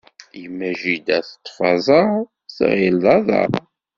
Yemma jida teṭṭef aẓaṛ, tɣil d aḍaṛ.